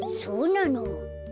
そうなの。